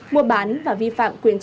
mua bán và vi phạm quyền định